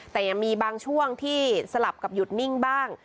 แต่ยังมีบางช่วงที่สลับกับหยุดนิ่งบ้าง